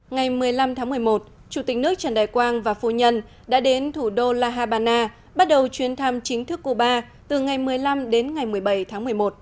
ngày một mươi năm tháng một mươi một chủ tịch nước trần đại quang và phu nhân đã đến thủ đô la habana bắt đầu chuyến thăm chính thức cuba từ ngày một mươi năm đến ngày một mươi bảy tháng một mươi một